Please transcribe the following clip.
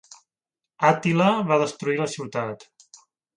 Àtila va destruir la ciutat.